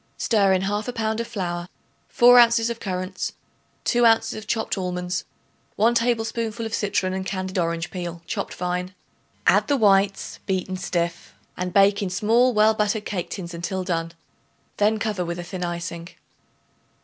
Stir in 1/2 pound of flour, 4 ounces of currants, 2 ounces of chopped almonds, 1 tablespoonful of citron and candied orange peel chopped fine. Add the whites beaten stiff and bake in small well buttered cake tins until done; then cover with a thin icing.